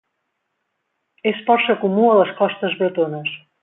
És força comú a les costes bretones.